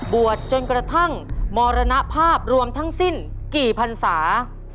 บวชจนกระทั่งมอณภาพรวมทั้งสิ้นปุ่นนี้กี่พรรสา